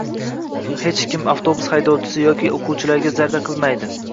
Hech kim avtobus haydovchisi yoki oʻquvchilarga zarda qilmaydi.